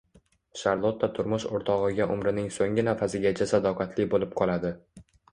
Sharlotta turmush o`rtog`iga umrining so`nggi nafasigacha sadoqatli bo`lib qoladi